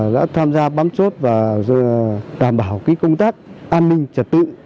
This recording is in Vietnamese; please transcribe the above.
đã tham gia bám chốt và đảm bảo công tác an ninh trật tự